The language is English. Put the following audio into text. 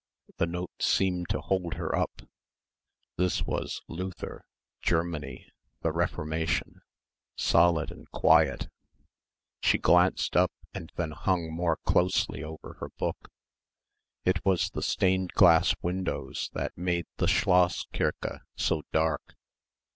The notes seemed to hold her up. This was Luther Germany the Reformation solid and quiet. She glanced up and then hung more closely over her book. It was the stained glass windows that made the Schloss Kirche so dark.